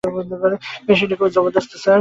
মেশিনটা খুব জবরদস্ত, স্যার।